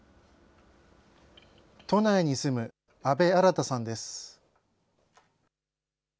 都内に住む阿部新大さんです。